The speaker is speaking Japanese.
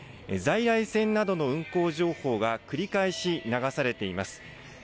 在来線などの運行情報が繰り返し流されています。